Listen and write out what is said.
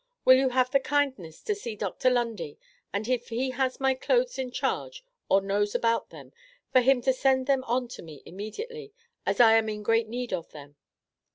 Will you have the kindness to see Dr. Lundy and if he has my clothes in charge, or knows about them, for him to send them on to me immediately, as I am in great need of them.